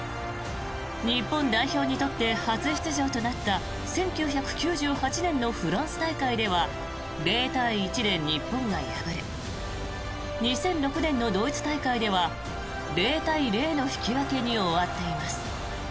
日本代表にとって初出場となった１９９８年のフランス大会では０対１で日本が敗れ２００６年のドイツ大会では０対０の引き分けに終わっています。